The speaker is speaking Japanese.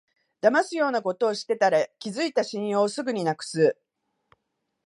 だますようなことしてたら、築いた信用をすぐになくす